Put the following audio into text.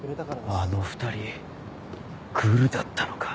あの２人グルだったのか。